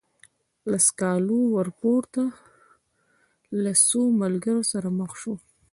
له سکالا ورپورته له څو ملګرو سره مخ شوم.